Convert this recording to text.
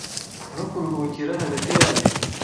no kuruhukira hagati yabyo.